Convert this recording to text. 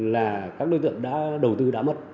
là các đối tượng đã đầu tư đã mất